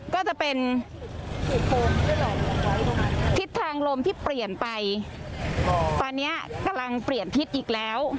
ก็จะเป็นทิศทางลมที่เปลี่ยนไปตอนนี้กำลังเปลี่ยนทิศอีกแล้ว